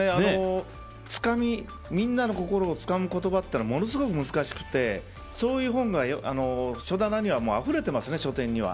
みんなの心をつかむ言葉ってものすごく難しくてそういう本が、書棚にはあふれてますね、書店には。